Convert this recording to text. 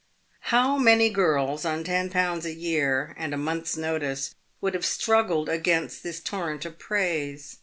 How many girls on ten pounds a year and a month's notice would have struggled against this torrent of praise